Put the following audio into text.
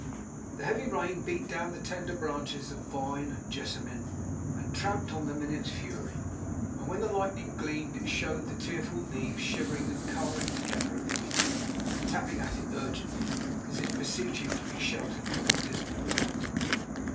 The heavy rain beat down the tender branches of vine and jessamine, and trampled on them in its fury; and when the lightning gleamed it showed the tearful leaves shivering and cowering together at the window, and tapping at it urgently, as if beseeching to be sheltered from the dismal night.